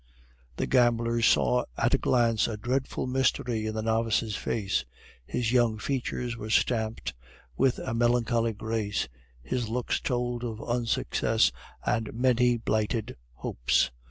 The gamblers saw at a glance a dreadful mystery in the novice's face. His young features were stamped with a melancholy grace, his looks told of unsuccess and many blighted hopes.